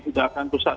tidak akan rusak